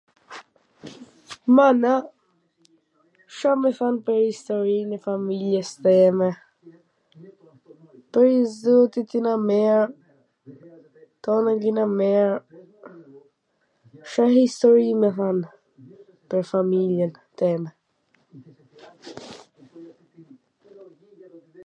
Mana, Ca me than pwr historin e familjes time? Pwr zotin jena mir, t tana i kena mir, Ca histori me than pwr familjen teme?